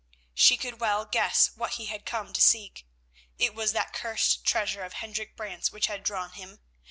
She could well guess what he had come to seek. It was that cursed treasure of Hendrik Brant's which had drawn him.